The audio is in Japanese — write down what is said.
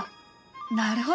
なるほど！